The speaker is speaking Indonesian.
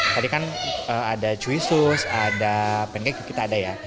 tadi kan ada chewy's ada pancake kita ada ya